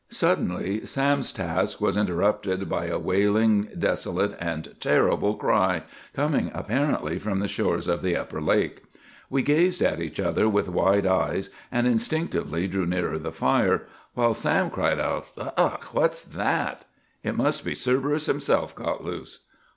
Suddenly Sam's task was interrupted by a wailing, desolate, and terrible cry, coming apparently from the shores of the upper lake. We gazed at each other with wide eyes, and instinctively drew nearer the fire; while Sam cried, "Ugh, what's that? it must be Cerberus himself got loose!"